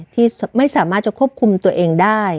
ที่ไม่สามารถจะควบคุมตัวเองได้